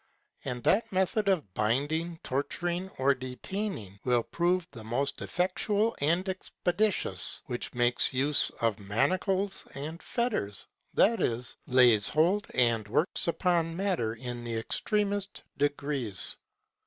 And that method of binding, torturing, or detaining, will prove the most effectual and expeditious, which makes use of manacles and fetters; that is, lays hold and works upon matter in the extremest degrees.